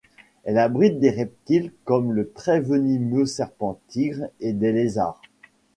Elle abrite des reptiles comme le très venimeux Serpent-tigre et des lézards.